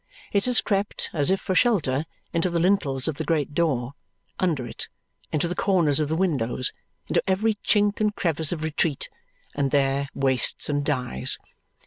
It has crept, as if for shelter, into the lintels of the great door under it, into the corners of the windows, into every chink and crevice of retreat, and there wastes and dies.